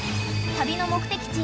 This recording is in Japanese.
［旅の目的地